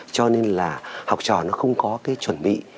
cho nên là học trò nó không có cái chuẩn bị